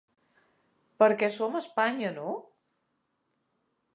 Perquè som a Espanya, no?